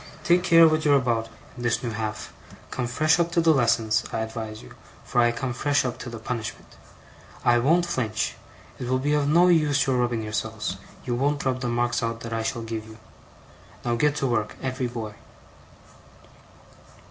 Take care what you're about, in this new half. Come fresh up to the lessons, I advise you, for I come fresh up to the punishment. I won't flinch. It will be of no use your rubbing yourselves; you won't rub the marks out that I shall give you. Now get to work, every boy!